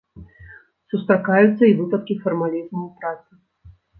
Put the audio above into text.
Сустракаюцца і выпадкі фармалізму ў працы.